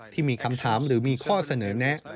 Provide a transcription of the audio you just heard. ที่มีคำถามหรือมีข้อเสนอแนะ